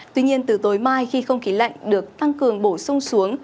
tuy nhiên từ tối mai khi không khí lạnh được tăng cường bổ sung xuống